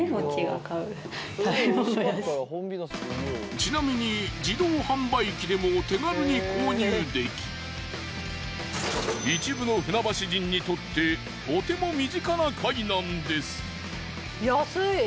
ちなみに自動販売機でも手軽に購入でき一部の船橋人にとってとても身近な貝なんです。